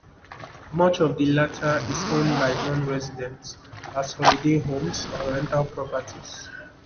Much of the latter is owned by non-residents as holiday homes or rental properties.